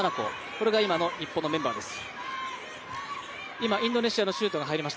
これが今の日本のメンバーです。